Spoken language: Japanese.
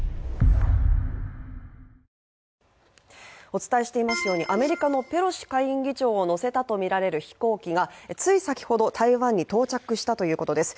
お伝えしていますようにアメリカのペロシ下院議長を乗せたとみられる飛行機が、つい先ほど台湾に到着したということです。